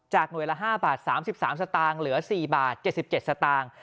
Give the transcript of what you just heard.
หน่วยละ๕บาท๓๓สตางค์เหลือ๔บาท๗๗สตางค์